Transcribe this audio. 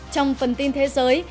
trong phần tin thế giới